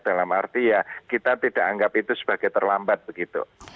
dalam arti ya kita tidak anggap itu sebagai terlambat begitu